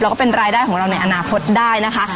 แล้วก็เป็นรายได้ของเราในอนาคตได้นะคะ